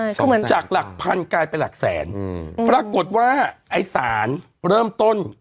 สองแสนเมตรจากหลักพันธุ์กลายเป็นหลักแสนอืมปรากฏว่าไอ้สารเริ่มต้น